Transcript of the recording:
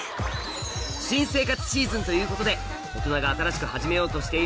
新生活シーズンということで大人が新しく始めようとしているもの